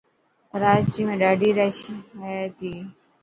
ڪراچي ۾ ڏاڌي رش هئي ٿي.